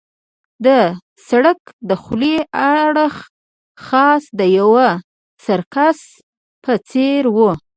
د سړک دخولي اړخ خاص د یوه سرکس په څېر وو.